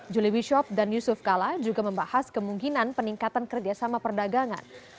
julie shop dan yusuf kala juga membahas kemungkinan peningkatan kerjasama perdagangan